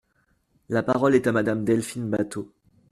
La parole est à Madame Delphine Batho.